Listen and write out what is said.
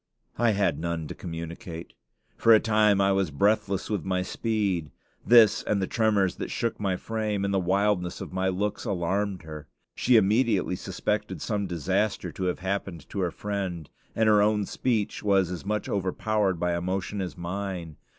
I had none to communicate. For a time I was breathless with my speed. This, and the tremors that shook my frame, and the wildness of my looks, alarmed her. She immediately suspected some disaster to have happened to her friend, and her own speech was as much overpowered by emotion as mine.